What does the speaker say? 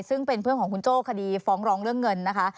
ซึ่งเป็นเพื่อนของคุณโจ้คดีฟ้องร้องเรื่องเงินนะคะ